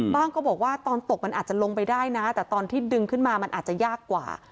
ก็บอกว่าตอนตกมันอาจจะลงไปได้นะแต่ตอนที่ดึงขึ้นมามันอาจจะยากกว่า